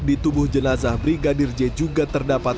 di tubuh jenazah brigadir j juga terdapat